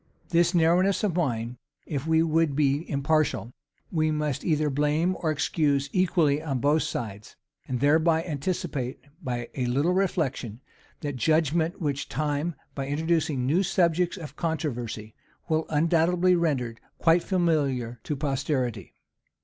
This narrowness of mind, if we would be impartial, we must either blame or excuse equally on both sides; and thereby anticipate, by a little reflection, that judgment which time, by introducing new subjects of controversy, will undoubtedly render quite familiar to posterity.